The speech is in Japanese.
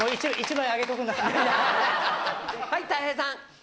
はいたい平さん。